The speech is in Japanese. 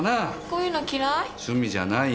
こういうの嫌い？